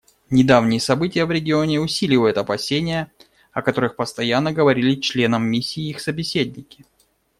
Недавние события в регионе усиливают опасения, о которых постоянно говорили членам миссии их собеседники.